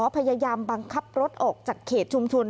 พยายามบังคับรถออกจากเขตชุมชน